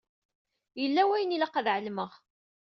Yella wayen i ilaq ad ɛelmeɣ.